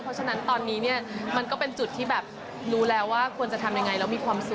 เพราะฉะนั้นตอนนี้เนี่ยมันก็เป็นจุดที่แบบรู้แล้วว่าควรจะทำยังไงแล้วมีความสุข